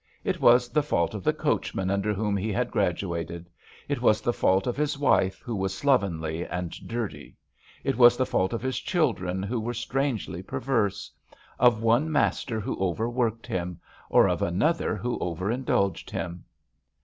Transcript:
It was the fault of the coachmen under whom he had graduated ; it was the feult of his wife, who was slovenly and dirty ; it was the ifault of his children, who were strangely perverse ; of one master who overworked him, or of another who over indulged him.